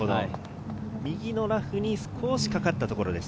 右のラフに少しかかったところです。